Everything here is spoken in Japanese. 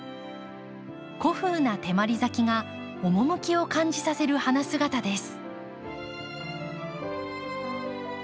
古風な手まり咲きが趣を感じさせる花姿です。